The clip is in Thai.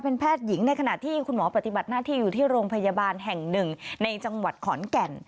เป็นแพทย์หญิงในขณะที่คุณหมอปฏิบัติหน้าที่อยู่ที่โรงพยาบาลแห่งหนึ่งในจังหวัดขอนแก่น